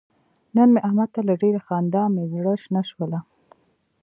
نن مې احمد ته له ډېرې خندا مې زره شنه شوله.